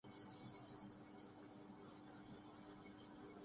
پورا ایک لشکر کیا‘ پوری ایک فوج ان کے پیچھے تھی۔